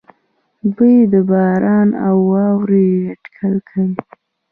دوی د باران او واورې اټکل کوي.